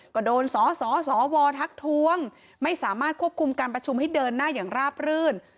ก็โดนสสวทักทวงไม่สามารถควบคุมการประชุมให้เดินหน้าอย่างราบรื่น